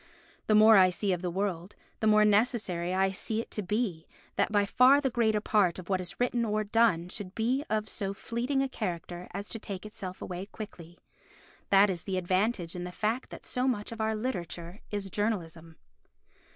The more I see of the world, the more necessary I see it to be that by far the greater part of what is written or done should be of so fleeting a character as to take itself away quickly. That is the advantage in the fact that so much of our literature is journalism.